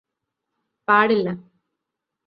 പാടില്ല